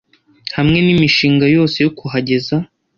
hamwe n imishinga yose yo kuhageza